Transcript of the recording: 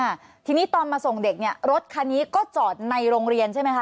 อ่าทีนี้ตอนมาส่งเด็กเนี้ยรถคันนี้ก็จอดในโรงเรียนใช่ไหมคะ